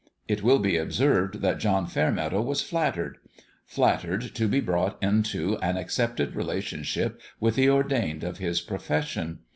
It will be observed that John Fairmeadow was flattered flattered to be brought into an accepted relationship with the ordained of his profession.